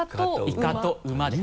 「いか」と「うま」です。